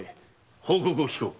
報告をきこう。